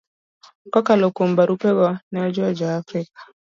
Kokalo kuom barupego, ne ojiwo Jo-Afrika